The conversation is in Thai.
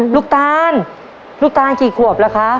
ลูกตาลลูกตาลกี่ขวบแล้วคะ